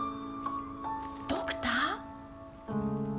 ドクター？